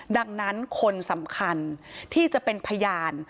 ดังนั้นคนสำคัญที่จะเป็นพยาน